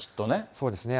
そうですね。